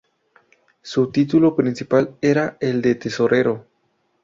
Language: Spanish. Su título principal era el de tesorero.